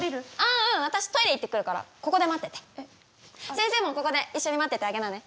先生もここで一緒に待っててあげなね。